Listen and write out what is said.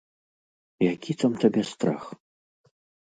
Які там табе страх?